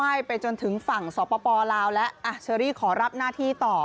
ไปจนถึงฝั่งสปลาวและเชอรี่ขอรับหน้าที่ต่อ